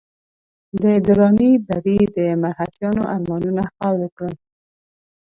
د دراني بري د مرهټیانو ارمانونه خاورې کړل.